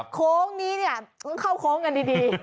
โค้งนี้เข้าโค้งกันดี